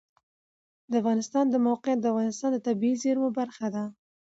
د افغانستان د موقعیت د افغانستان د طبیعي زیرمو برخه ده.